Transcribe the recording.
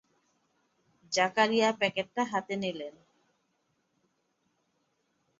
জাকারিয়া প্যাকেটটা হাতে নিলেন।